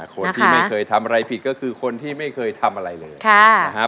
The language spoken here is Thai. คนที่ไม่เคยทำอะไรผิดก็คือคนที่ไม่เคยทำอะไรเลยนะครับ